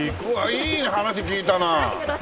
いい話聞いたなあ！